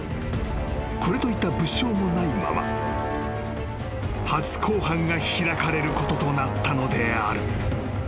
［これといった物証もないまま初公判が開かれることとなったのである］